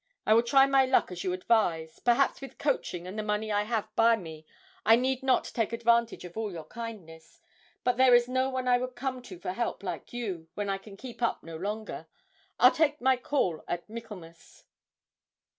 I will try my luck as you advise; perhaps with coaching and the money I have by me I need not take advantage of all your kindness, but there is no one I would come to for help like you when I can keep up no longer. I'll take my call at Michaelmas!'